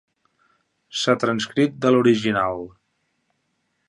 S'ha transcrit de l'original.